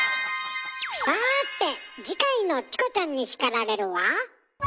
さて次回の「チコちゃんに叱られる」は？